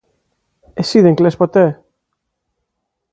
Εσύ δεν κλαις ποτέ;